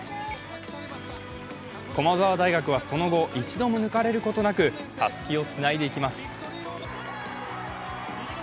駒澤大学は、その後一度も抜かれることなくたすきをつないでいきます。